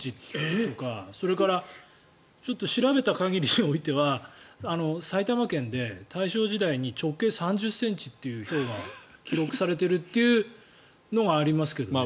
それからちょっと調べた限りにおいては埼玉県で大正時代に直径３０ｃｍっていうひょうが記録されてるというのがありますけどね。